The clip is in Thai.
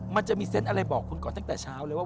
มันจะมีเซนต์อะไรบอกคุณก่อนตั้งแต่เช้าเลยว่า